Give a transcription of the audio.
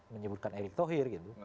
menyebutkan erick thohir